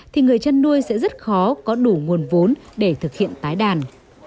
thì người chăn nuôi sẽ rất khó có đủ nguồn vốn để thực hiện tái đàn